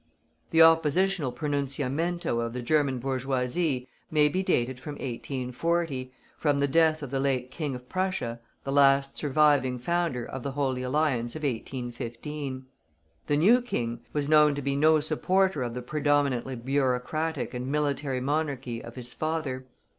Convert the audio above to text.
The oppositional pronunciamento of the German bourgeoisie may be dated from 1840, from the death of the late King of Prussia, the last surviving founder of the Holy Alliance of 1815. The new King was known to be no supporter of the predominantly bureaucratic and military monarchy of his father.